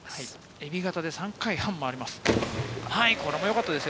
えび型で３回転半回ります。